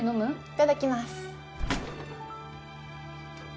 いただきます。